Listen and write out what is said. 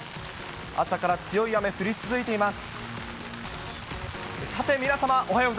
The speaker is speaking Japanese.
朝から強い雨、降り続いています。